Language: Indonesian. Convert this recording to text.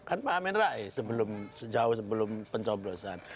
kan pak amin rai sebelum sejauh sebelum pencoblosan